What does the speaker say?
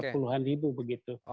puluhan ribu begitu